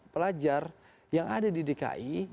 pelajar yang ada di dki